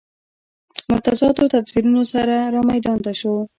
متضادو تفسیرونو سره رامیدان ته شو.